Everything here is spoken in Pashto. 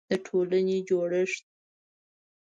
د ټولنې جوړښت